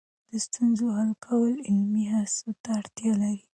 د ستونزو حل کول عملي هڅو ته اړتیا لري.